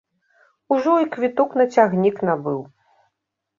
Ужо і квіток на цягнік набыў.